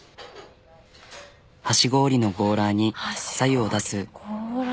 ハシ氷のゴーラーにさ湯を出す。